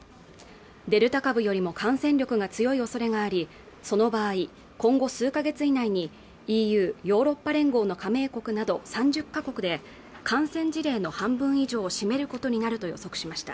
デルタ株よりも感染力が強いおそれがありその場合今後数か月以内にＥＵヨーロッパ連合の加盟国など３０カ国で感染事例の半分以上を占めることになると予測しました